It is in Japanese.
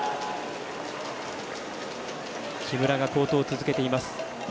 木村が好投を続けています。